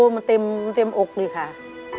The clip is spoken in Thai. มันเต็มอกเลยค่ะ